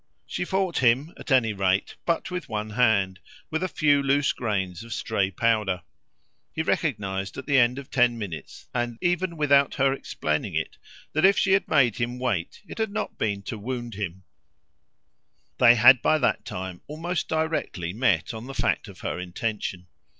She fought him at any rate but with one hand, with a few loose grains of stray powder. He recognised at the end of ten minutes, and even without her explaining it, that if she had made him wait it hadn't been to wound him; they had by that time almost directly met on the fact of her intention.